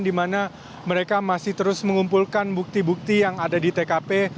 di mana mereka masih terus mengumpulkan bukti bukti yang ada di tkp